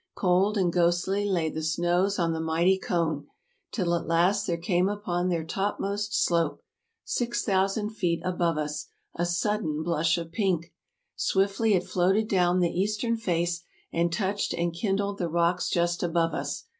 Cold and ghostly lay the snows on the mighty cone; till at last there came upon their topmost slope, 6000 feet above us, a sudden blush of pink. Swiftly it floated down the eastern face, and touched and kindled the rocks just above us.